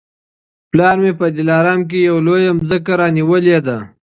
پلار مي په دلارام کي یوه لویه مځکه رانیولې ده